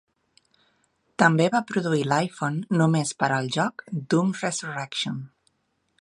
També va produir l'iPhone només per al joc "Doom Resurrection".